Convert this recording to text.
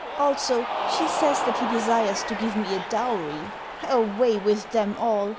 Also, she says that he desires to give me a dowry. Away with them all!